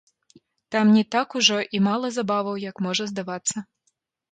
Там не так ужо і мала забаваў, як можа здавацца.